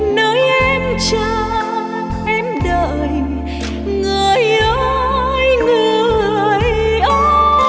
nơi em chờ em đợi người ơi người ơi